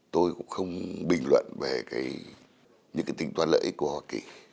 tôi cũng không bình luận về những tình toán lợi ích của hoa kỳ